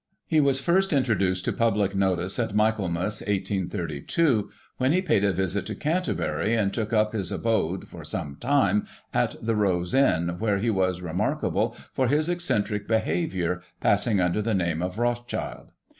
He was first introduced to public notice in Michaelmas, 1832, when he paid a visit to Canterbury, and took up his abode, for some time, at the " Rose Inn," where he was re markable for his eccentric behaviour, passing imder the name of Rothschild.